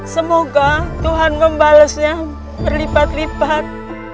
semoga tuhan membalasnya berlipat lipat